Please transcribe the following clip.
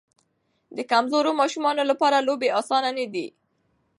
د کمزورو ماشومانو لپاره لوبې اسانه نه دي.